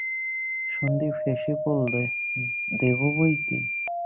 সন্দীপ হেসে বললে, দেব বৈকি।